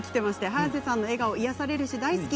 早瀬さんの笑顔、いやされるし大好き！